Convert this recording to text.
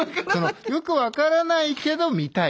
よく分からないけど見たい。